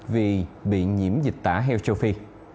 vì bị nhiễm dịch tả heo châu phi